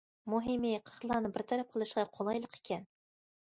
مۇھىمى قىغلارنى بىر تەرەپ قىلىشقا قولايلىق ئىكەن.